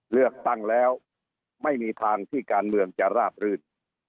เลือกตั้งแล้วไม่มีทางที่การเมืองจะราบรื่น